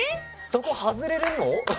そこはずれるの？